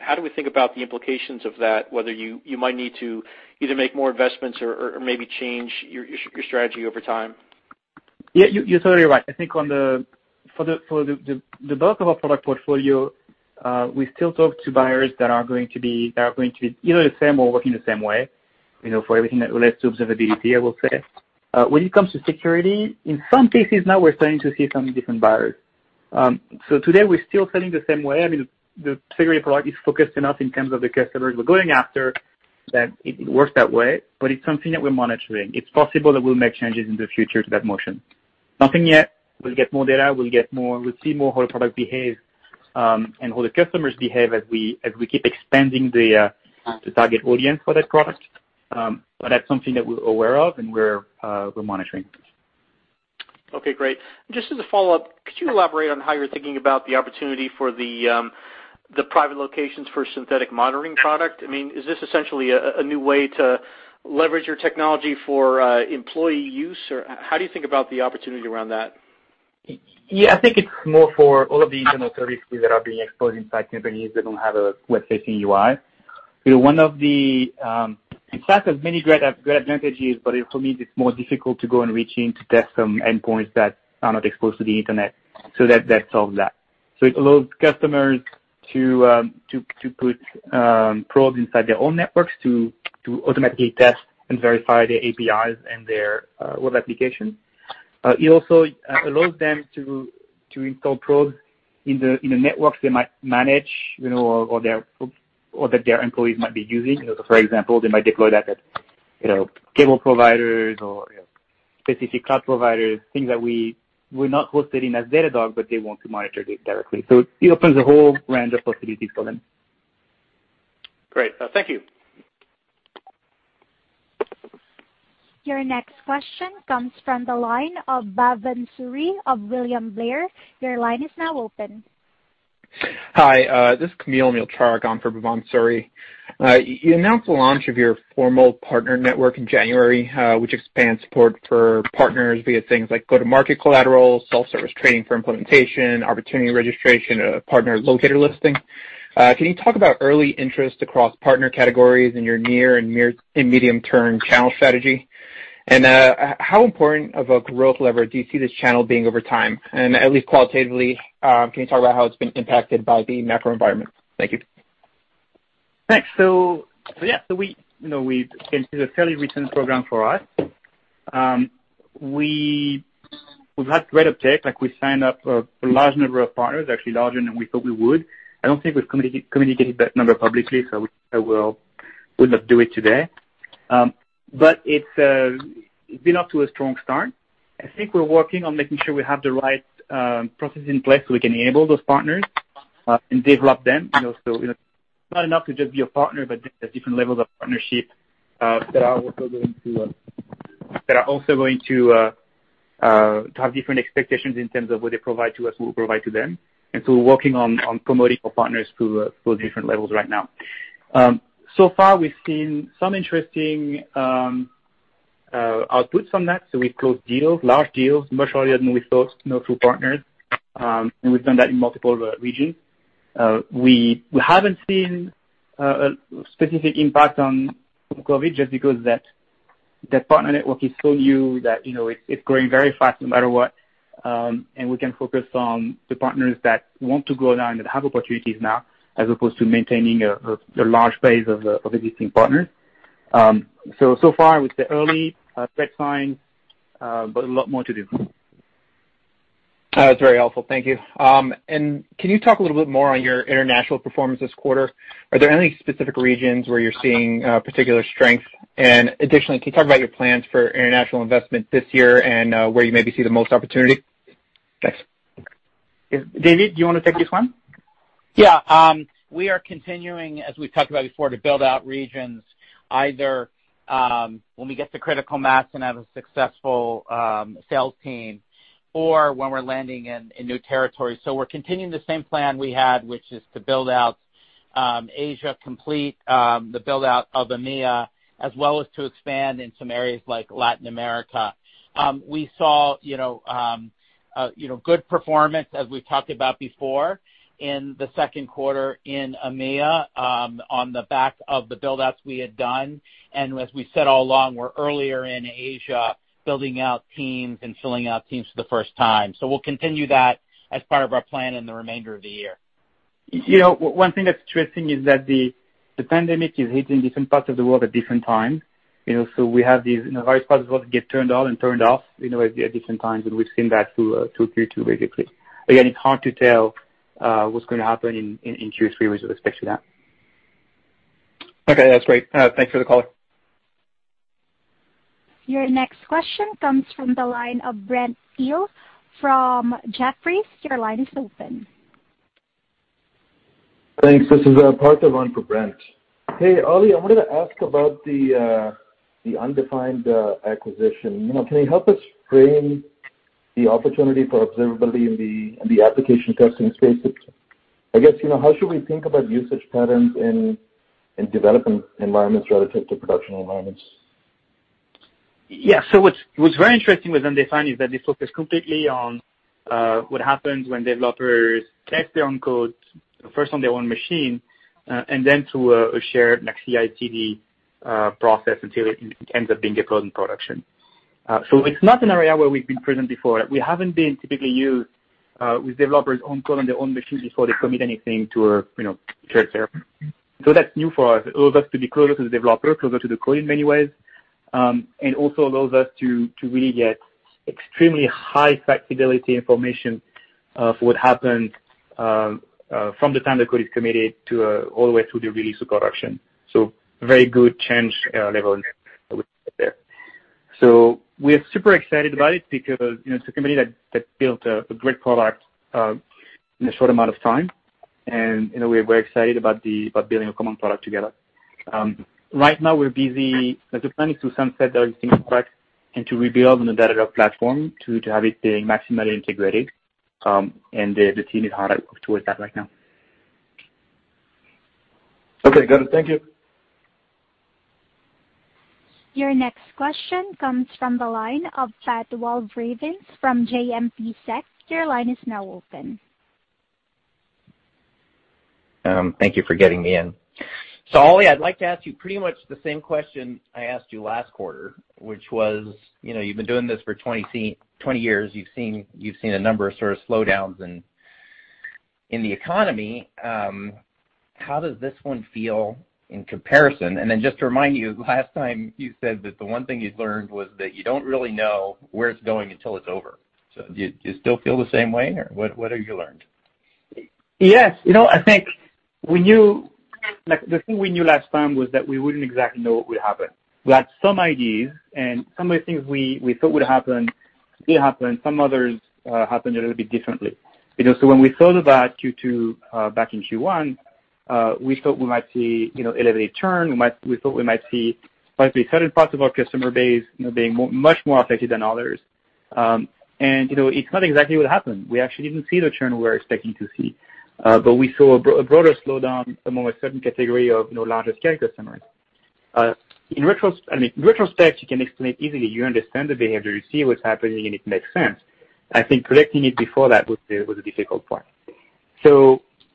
How do we think about the implications of that, whether you might need to either make more investments or maybe change your strategy over time? Yeah, you're totally right. I think for the bulk of our product portfolio, we still talk to buyers that are going to be either the same or working the same way, you know, for everything that relates to observability, I will say. When it comes to security, in some cases now we're starting to see some different buyers. Today we're still selling the same way. I mean, the security product is focused enough in terms of the customers we're going after that it works that way, but it's something that we're monitoring. It's possible that we'll make changes in the future to that motion. Nothing yet. We'll get more data. We'll see more how the product behaves, and how the customers behave as we keep expanding the target audience for that product. That's something that we're aware of, and we're monitoring. Okay, great. Just as a follow-up, could you elaborate on how you're thinking about the opportunity for the private locations for Synthetic Monitoring product? I mean, is this essentially a new way to leverage your technology for employee use? Or how do you think about the opportunity around that? I think it's more for all of the internal services that are being exposed inside companies that don't have a web-facing UI. You know, one of the, in fact, there's many great advantages, but for me it's more difficult to go and reach in to test some endpoints that are not exposed to the internet, so that solves that. It allows customers to put probes inside their own networks to automatically test and verify their APIs and their web applications. It also allows them to install probes in the networks they might manage, you know, or that their employees might be using. You know, for example, they might deploy that at, you know, cable providers or specific cloud providers, things that we're not hosted in as Datadog, but they want to monitor it directly. It opens a whole range of possibilities for them. Great. Thank you. Your next question comes from the line of Bhavan Suri of William Blair. Your line is now open. Hi. This is Kamil Mielczarek on for Bhavan Suri. You announced the launch of your formal partner network in January, which expands support for partners via things like go-to-market collateral, self-service training for implementation, opportunity registration, partner locator listing. Can you talk about early interest across partner categories in your near and medium-term channel strategy? How important of a growth lever do you see this channel being over time? At least qualitatively, can you talk about how it's been impacted by the macro environment? Thank you. Thanks. We, you know, we've been through a fairly recent program for us. We, we've had great uptake. Like, we signed up a large number of partners, actually larger than we thought we would. I don't think we've communicated that number publicly. We will not do it today. It's been off to a strong start. I think we're working on making sure we have the right processes in place so we can enable those partners and develop them, you know. You know, it's not enough to just be a partner, there's different levels of partnership that are also going to have different expectations in terms of what they provide to us and what we provide to them. We're working on promoting our partners to those different levels right now. So far we've seen some interesting outputs on that. We've closed deals, large deals, much earlier than we thought, you know, through partners. We've done that in multiple regions. We haven't seen a specific impact on COVID just because that partner network is so new that, you know, it's growing very fast no matter what. We can focus on the partners that want to grow now and that have opportunities now as opposed to maintaining a large base of existing partners. So far it's the early good signs, but a lot more to do. That's very helpful. Thank you. Can you talk a little bit more on your international performance this quarter? Are there any specific regions where you're seeing particular strength? Additionally, can you talk about your plans for international investment this year and where you maybe see the most opportunity? Thanks. David, do you wanna take this one? Yeah. We are continuing, as we've talked about before, to build out regions either when we get to critical mass and have a successful sales team or when we're landing in new territories. We're continuing the same plan we had, which is to build out Asia complete, the build-out of EMEA, as well as to expand in some areas like Latin America. We saw, you know, you know, good performance as we've talked about before in the second quarter in EMEA, on the back of the build-outs we had done. As we said all along, we're earlier in Asia building out teams and filling out teams for the first time. We'll continue that as part of our plan in the remainder of the year. You know, one thing that's interesting is that the pandemic is hitting different parts of the world at different times. You know, we have these, you know, various parts of the world that get turned on and turned off, you know, at different times, and we've seen that through Q2 basically. Again, it's hard to tell what's gonna happen in Q3 with respect to that. Okay, that's great. Thanks for the call. Your next question comes from the line of Brent Thill from Jefferies. Your line is open. Thanks. This is Parthiv on for Brent. Hey, Oli, I wanted to ask about the Undefined Labs acquisition. You know, can you help us frame the opportunity for observability in the application testing space? I guess, you know, how should we think about usage patterns in development environments relative to production environments? What's very interesting with Undefined is that they focus completely on what happens when developers test their own code, first on their own machine, and then to a shared like CI/CD process until it ends up being deployed in production. It's not an area where we've been present before. We haven't been typically used with developers' own code on their own machine before they commit anything to a, you know, shared server. That's new for us. It allows us to be closer to the developer, closer to the code in many ways, and also allows us to really get extremely high fidelity information for what happens from the time the code is committed to all the way through the release to production. Very good change level there. We're super excited about it because, you know, it's a company that built a great product in a short amount of time. You know, we're very excited about building a common product together. Right now we're busy Like, the plan is to sunset their existing product and to rebuild on the Datadog platform to have it being maximally integrated. The team is hard at work towards that right now. Okay, got it. Thank you. Your next question comes from the line of Patrick Walravens from JMP Sec. Your line is now open. Thank you for getting me in. Olivier, I'd like to ask you pretty much the same question I asked you last quarter, which was, you know, you've been doing this for 20 years. You've seen a number of sort of slowdowns in the economy. How does this one feel in comparison? Just to remind you, last time you said that the one thing you'd learned was that you don't really know where it's going until it's over. Do you still feel the same way, or what have you learned? Yes. You know, I think we knew the thing we knew last time was that we wouldn't exactly know what would happen. We had some ideas. Some of the things we thought would happen did happen. Some others happened a little bit differently. You know, when we thought about Q2, back in Q1, we thought we might see, you know, elevated churn. We thought we might see maybe certain parts of our customer base, you know, being much more affected than others. You know, it's not exactly what happened. We actually didn't see the churn we were expecting to see. We saw a broader slowdown among a certain category of, you know, larger customers. In retrospect, I mean, in retrospect, you can explain easily. You understand the behavior, you see what's happening, and it makes sense. I think predicting it before that was the difficult part.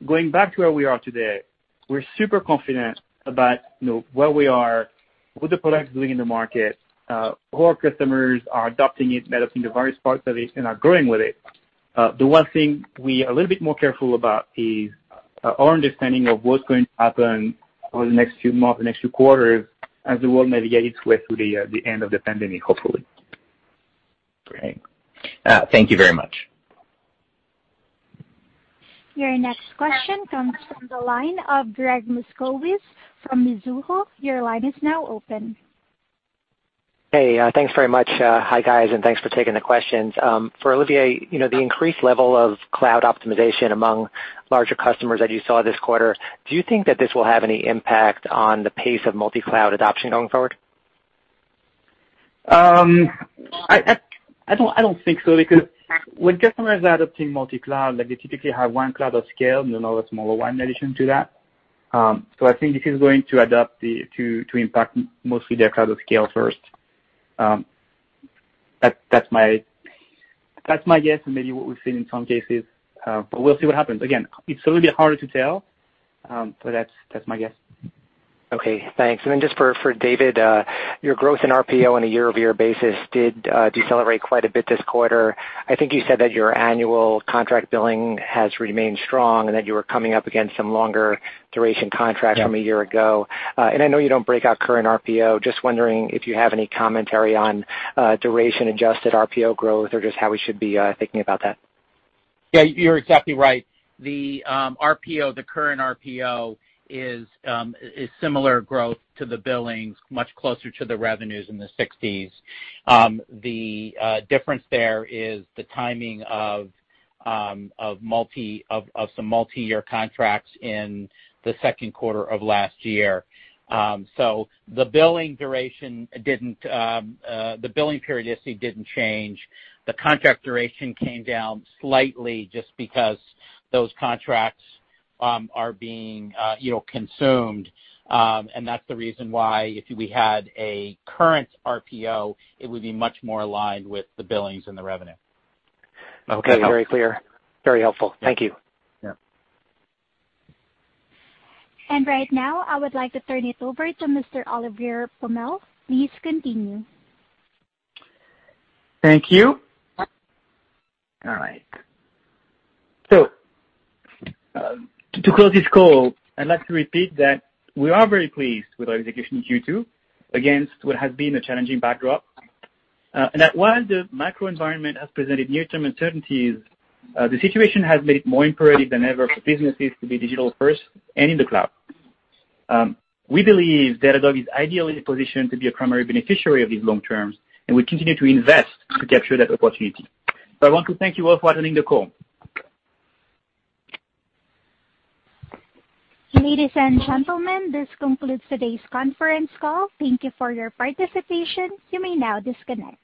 Going back to where we are today, we're super confident about, you know, where we are, what the product is doing in the market, how our customers are adopting it, adapting the various parts of it, and are growing with it. The one thing we are a little bit more careful about is our understanding of what's going to happen over the next few months, the next few quarters as the world navigates its way through the end of the pandemic, hopefully. Great. Thank you very much. Your next question comes from the line of Gregg Moskowitz from Mizuho. Your line is now open. Hey, thanks very much. Hi, guys, thanks for taking the questions. For Olivier, you know, the increased level of cloud optimization among larger customers that you saw this quarter, do you think that this will have any impact on the pace of multi-cloud adoption going forward? I don't think so because when customers are adopting multi-cloud, like they typically have one cloud of scale and another smaller one in addition to that. I think if it's going to impact mostly their cloud of scale first. That's my guess and maybe what we've seen in some cases. We'll see what happens. Again, it's a little bit harder to tell. That's my guess. Okay, thanks. Then just for David, your growth in RPO on a year-over-year basis did decelerate quite a bit this quarter. I think you said that your annual contract billing has remained strong and that you were coming up against some longer duration contracts from a year ago. I know you don't break out current RPO. Just wondering if you have any commentary on duration-adjusted RPO growth or just how we should be thinking about that. Yeah, you're exactly right. The RPO, the current RPO is similar growth to the billings, much closer to the revenues in the 60s. The difference there is the timing of some multi-year contracts in the second quarter of last year. The billing duration didn't, the billing periodicity didn't change. The contract duration came down slightly just because those contracts are being, you know, consumed. That's the reason why if we had a current RPO, it would be much more aligned with the billings and the revenue. Okay. That's very clear. Very helpful. Thank you. Yeah. Right now, I would like to turn it over to Mr. Olivier Pomel. Please continue. Thank you. All right. To close this call, I'd like to repeat that we are very pleased with our execution in Q2 against what has been a challenging backdrop. While the macro environment has presented near-term uncertainties, the situation has made it more imperative than ever for businesses to be digital first and in the cloud. We believe Datadog is ideally positioned to be a primary beneficiary of these long terms, and we continue to invest to capture that opportunity. I want to thank you all for attending the call. Ladies and gentlemen, this concludes today's conference call. Thank you for your participation. You may now disconnect.